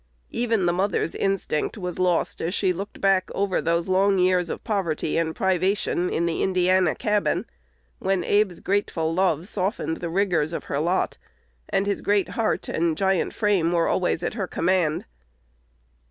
Even the mother's instinct was lost as she looked back over those long years of poverty and privation in the Indiana cabin, when Abe's grateful love softened the rigors of her lot, and his great heart and giant frame were always at her command.